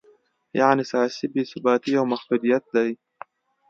یعنې سیاسي بې ثباتي یو محدودیت دی.